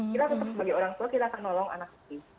kita tetap sebagai orang tua kita akan nolong anak lagi